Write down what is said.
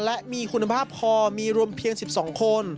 และมีคุณภาพพอมีรวมเพียง๑๒คน